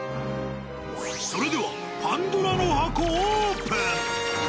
それではパンドラの箱オープン。